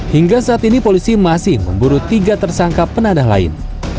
hingga saat ini polisi masih memburu tiga tersangka penadah lain